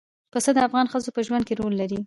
پسه د افغان ښځو په ژوند کې رول لري.